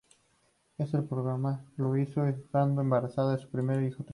Ese programa lo hizo estando embarazada de su primer hijo "Tiago".